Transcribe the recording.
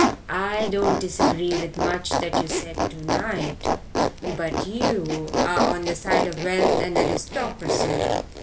"I don't disagree with much that you said to night. But you are on the side of wealth and aristocracy.